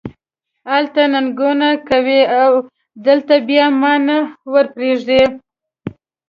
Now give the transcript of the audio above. هلته ننګونې کوې او دلته بیا ما نه ور پرېږدې.